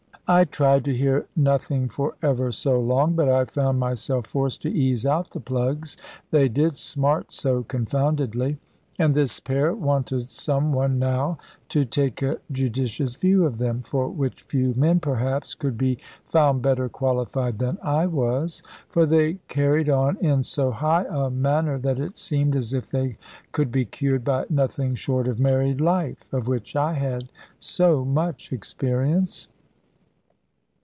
I tried to hear nothing for ever so long; but I found myself forced to ease out the plugs, they did smart so confoundedly. And this pair wanted some one now to take a judicious view of them, for which few men, perhaps, could be found better qualified than I was. For they carried on in so high a manner, that it seemed as if they could be cured by nothing short of married life, of which I had so much experience.